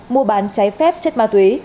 mua bán cháy phép chất ma túy